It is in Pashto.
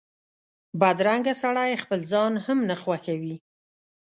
بدرنګه سړی خپل ځان هم نه خوښوي